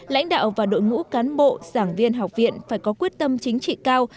lãnh đạo và đội ngũ cán bộ giảng viên học viện phải có quyết tâm chính trị cao